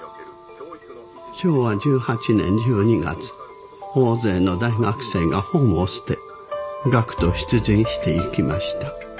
昭和１８年１２月大勢の大学生が本を捨て学徒出陣していきました。